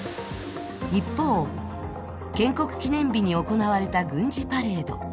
一方、建国記念日に行われた軍事パレード。